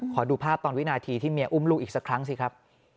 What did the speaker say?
ขอดูภาพตอนวินาทีที่เมียอุ้มลูกอีกสักครั้งสิครับ